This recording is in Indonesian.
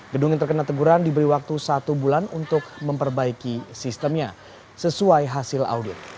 gedung yang terkena teguran diberi waktu satu bulan untuk memperbaiki sistemnya sesuai hasil audit